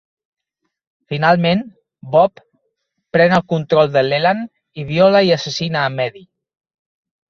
Finalment, Bob pren el control de Leland i viola i assassina a Maddie.